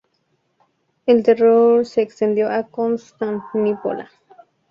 El terror se extendió a Constantinopla.